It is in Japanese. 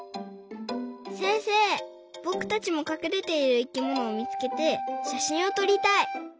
せんせいぼくたちもかくれている生きものをみつけてしゃしんをとりたい。